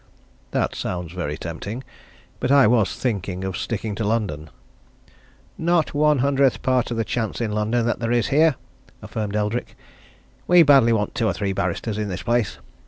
"That sounds very tempting. But I was thinking of sticking to London." "Not one hundredth part of the chance in London that there is here!" affirmed Eldrick. "We badly want two or three barristers in this place.